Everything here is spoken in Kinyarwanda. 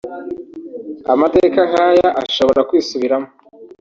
Amateka nk’aya ashobora kwisubiramo